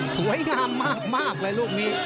สวยงามมากเลยลูกนี้